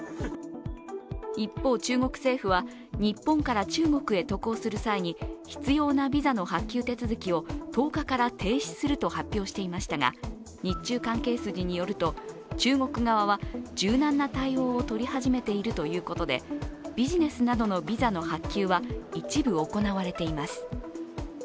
一方、中国政府は日本から中国へ渡航する際に必要なビザの発給手続きを１０日から停止すると発表していましたが、日中関係筋によると中国側は柔軟な対応を取り始めているということで、ビジネスなどのビザの発給は一部行われています。